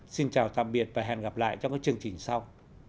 xin chào tạm biệt và hẹn gặp lại trong các chương trình sau